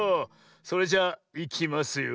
それじゃあいきますよ。